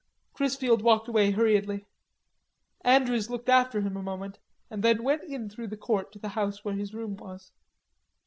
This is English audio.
Chrisfield walked away hurriedly. Andrews looked after him a moment, and then went in through the court to the house where his room was.